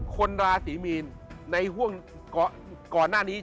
ราศีมีนในห่วงก่อนหน้านี้